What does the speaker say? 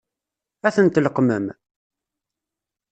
Ad ten-tleqqmem?